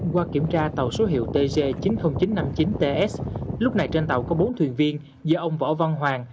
qua kiểm tra tàu số hiệu tc chín mươi nghìn chín trăm năm mươi chín ts lúc này trên tàu có bốn thuyền viên do ông võ văn hoàng